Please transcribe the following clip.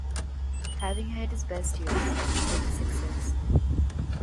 Having had his best years with the Sixers.